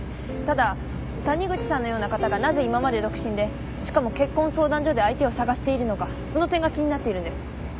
ただ谷口さんのような方がなぜ今まで独身でしかも結婚相談所で相手を探しているのかその点が気になっているんです。